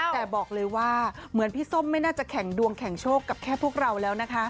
แต่บอกเลยว่าเหมือนพี่ส้มไม่น่าจะแข่งดวงแข่งโชคกับแค่พวกเราแล้วนะคะ